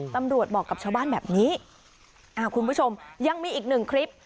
ตำรวจบอกกับชาวบ้านแบบนี้อ่าคุณผู้ชมยังมีอีกหนึ่งคลิป